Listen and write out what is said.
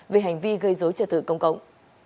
về hành vi gây dối trợ thử công cống